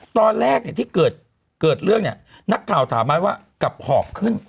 ตอนแรกที่เกิดเรื่องน่ะนักข่าวถามไม้ว่ากลับหอบขึ้น